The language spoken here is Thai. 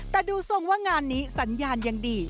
แต่ดูทรงว่างานนี้สัญญาณยังดี